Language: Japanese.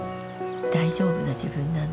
「大丈夫な自分なんだ。